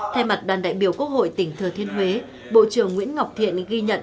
thay mặt đoàn đại biểu quốc hội tỉnh thừa thiên huế bộ trưởng nguyễn ngọc thiện ghi nhận